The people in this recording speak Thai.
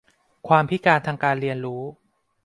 ความพิการทางการเรียนรู้